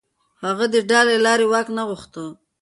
هغه د ډار له لارې واک نه غوښت.